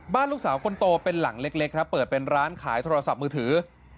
ลูกสาวคนโตเป็นหลังเล็กครับเปิดเป็นร้านขายโทรศัพท์มือถือ